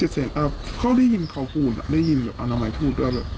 ๗เสนอับเขาได้ยินเขาพูดได้ยินอนามัยพูด